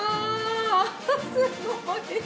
すごーい。